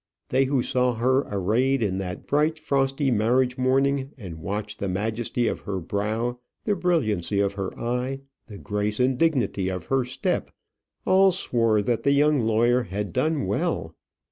They who saw her arrayed in that bright frosty marriage morning, and watched the majesty of her brow, the brilliancy of her eye, the grace and dignity of her step, all swore that the young lawyer had done well.